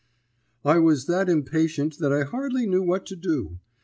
"I was that impatient that I hardly knew what to do.